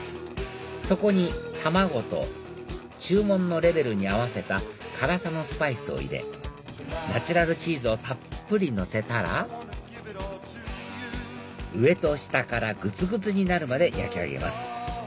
そこに卵と注文のレベルに合わせた辛さのスパイスを入れナチュラルチーズをたっぷりのせたら上と下からグツグツになるまで焼き上げます